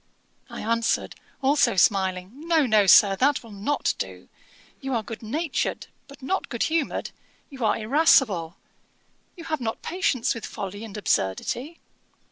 I answered, also smiling, 'No, no, Sir; that will not do. You are good natured, but not good humoured: you are irascible. You have not patience with folly and absurdity.